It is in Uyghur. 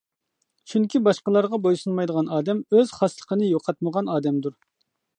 چۈنكى باشقىلارغا بويسۇنمايدىغان ئادەم ئۆز خاسلىقىنى يوقاتمىغان ئادەمدۇر.